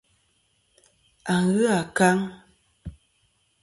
A ghɨ ankaŋ.